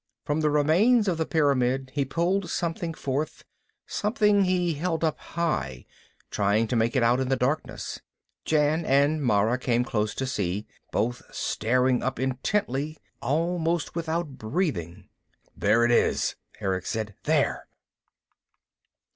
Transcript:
From the remains of the pyramid he pulled something forth, something he held up high, trying to make it out in the darkness. Jan and Mara came close to see, both staring up intently, almost without breathing. "There it is," Erick said. "There!"